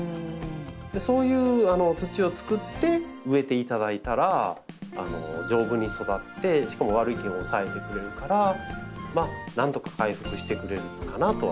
そういう土をつくって植えていただいたら丈夫に育ってしかも悪い菌を抑えてくれるからなんとか回復してくれるかなとは。